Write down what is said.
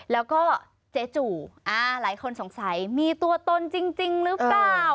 แล้วก็เจ๊จู่หลายคนสงสัยมีตัวตนจริงหรือเปล่า